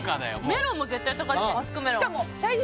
メロンも絶対高いマスクメロン